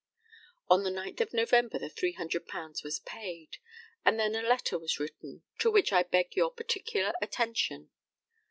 On the ninth of November the £300 was paid, and then a letter was written, to which I beg your particular attention.